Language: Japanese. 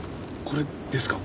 これですか？